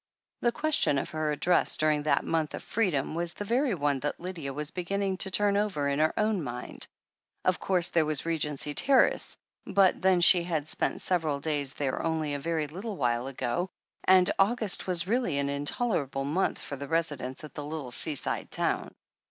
The question of her address during that month of freedom, was the very one that Lydia was beginning to turn over in her own mind. Of course there was Regency Terrace, but then she had spent several days there only a very little while ago, and August was really an intolerable month for the residents at the little seaside town.